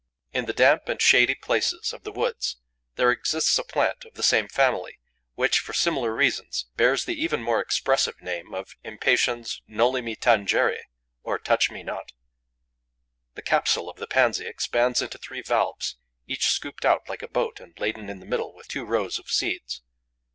In the damp and shady places of the woods there exists a plant of the same family which, for similar reasons, bears the even more expressive name of Impatiens noli me tangere, or touch me not. The capsule of the pansy expands into three valves, each scooped out like a boat and laden in the middle with two rows of seeds.